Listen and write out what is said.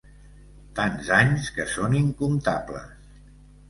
Tants anys que són incomptables.